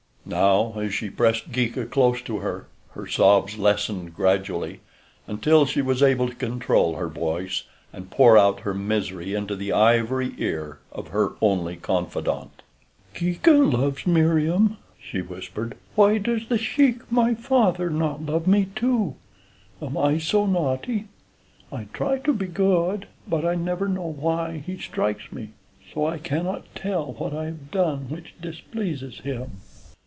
Now, as she pressed Geeka close to her, her sobs lessened gradually, until she was able to control her voice, and pour out her misery into the ivory ear of her only confidante. "Geeka loves Meriem," she whispered. "Why does The Sheik, my father, not love me, too? Am I so naughty? I try to be good; but I never know why he strikes me, so I cannot tell what I have done which displeases him.